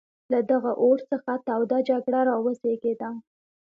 له دغه اور څخه توده جګړه را وزېږېده.